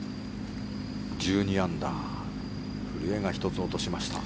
アンダー古江が１つ落としました。